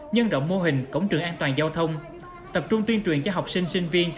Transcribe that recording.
nhân rộng mô hình cổng trường an toàn giao thông tập trung tuyên truyền cho học sinh sinh viên